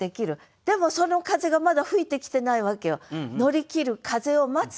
でもその風がまだ吹いてきてないわけよ。